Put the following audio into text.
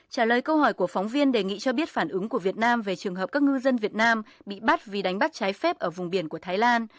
trả lời câu hỏi của phóng viên đề nghị cho biết phản ứng của việt nam về trường hợp các ngư dân việt nam bị bắt vì đánh bắt trái phép ở vùng biển của thái lan